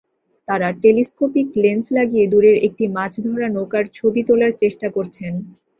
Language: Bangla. তাঁরা টেলিস্কোপিক লেন্স লাগিয়ে দূরের একটি মাছধরা নৌকার ছবি তোলার চেষ্টা করছেন।